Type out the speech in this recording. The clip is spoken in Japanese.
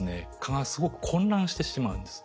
蚊がすごく混乱してしまうんです。